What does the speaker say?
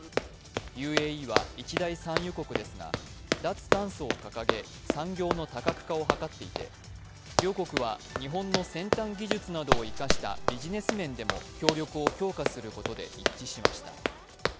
ＵＡＥは一大産油国ですが脱炭素を掲げ産業の多角化を図っていて、両国は日本の先端技術などを生かしたビジネス面でも協力を強化することで一致しました。